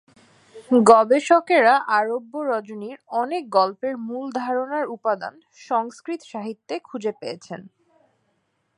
গবেষকেরা "আরব্য রজনীর" অনেক গল্পের মূল ধারণার উপাদান সংস্কৃত সাহিত্যে খুঁজে পেয়েছেন।